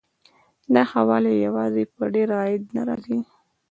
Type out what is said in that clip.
دا ښه والی یوازې په ډېر عاید نه راځي.